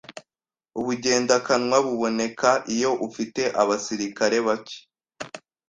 ubugendakanwa buboneka iyo ufite abasirikare bacye